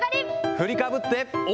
振りかぶって。